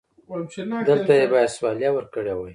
دلته يې بايد سواليه ورکړې و.